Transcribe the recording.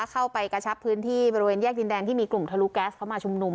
กระชับพื้นที่บริเวณแยกดินแดงที่มีกลุ่มทะลุแก๊สเข้ามาชุมนุม